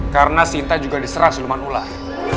karena sinta juga diserang siluman ular